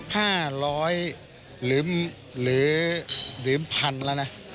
๕๐๐หรือ๑๐๐๐ล้านบาทแล้วนะ